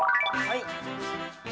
はい。